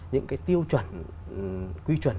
những cái tiêu chuẩn quy chuẩn